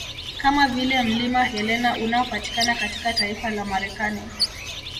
Kama vile mlima Helena unaopatikana katika taifa la Marekani